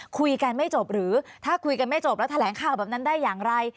คุยกันไม่จบหรือถ้าคุยกันไม่จบแล้วแถลงข่าวแบบนั้นได้อย่างไร